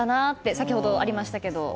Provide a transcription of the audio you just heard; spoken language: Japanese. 先ほどありましたけど。